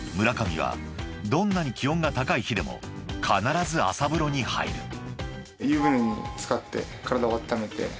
村上はどんなに気温が高い日でも必ず朝風呂に入る］